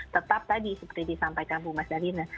tetap tadi seperti disampaikan bu mas dalina